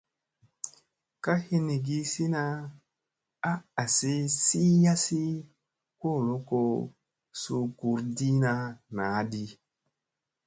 Ka hinigi sina a asi sii yasi kolo ko suu gurɗiina naa di.